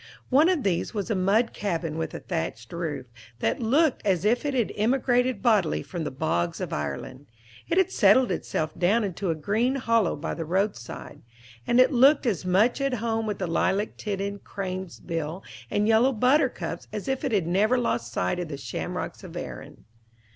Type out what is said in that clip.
One of these was a mud cabin with a thatched roof, that looked as if it had emigrated bodily from the bogs of Ireland. It had settled itself down into a green hollow by the roadside, and it looked as much at home with the lilac tinted crane's bill and yellow buttercups as if it had never lost sight of the shamrocks of Erin.